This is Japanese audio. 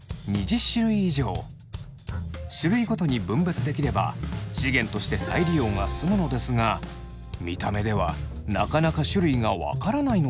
種類ごとに分別できれば資源として再利用が進むのですが見た目ではなかなか種類が分からないのです。